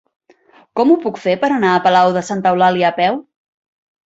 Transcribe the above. Com ho puc fer per anar a Palau de Santa Eulàlia a peu?